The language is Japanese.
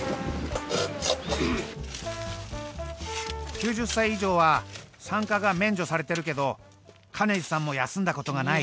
９０歳以上は参加が免除されてるけど兼治さんも休んだことがない。